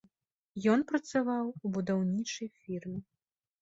Ён працаваў у будаўнічай фірме.